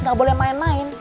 gak boleh main main